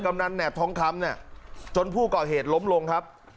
กำนันแหบทองคำเนี่ยจนผู้ก่อเหตุล้มลงครับ